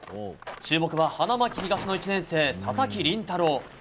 注目は花巻東の１年生佐々木麟太郎。